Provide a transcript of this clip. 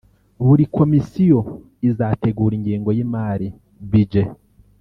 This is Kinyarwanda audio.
buri Komisiyo izategura ingengo y’imari (Budget)